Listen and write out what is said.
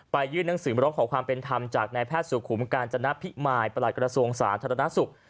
ยื่นหนังสือร้องขอความเป็นธรรมจากนายแพทย์สุขุมกาญจนพิมายประหลักกระทรวงสาธารณสุข